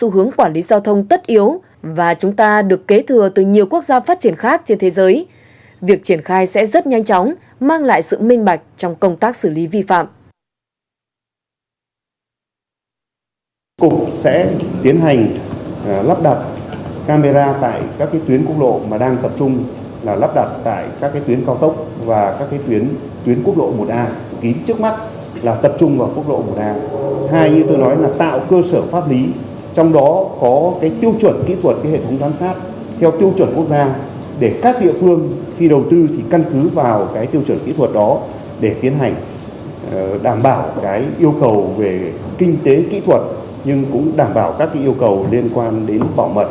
hai như tôi nói là tạo cơ sở pháp lý trong đó có tiêu chuẩn kỹ thuật hệ thống giám sát theo tiêu chuẩn quốc gia để các địa phương khi đầu tư thì căn cứ vào tiêu chuẩn kỹ thuật đó để tiến hành đảm bảo yêu cầu về kinh tế kỹ thuật nhưng cũng đảm bảo các yêu cầu liên quan đến bảo mật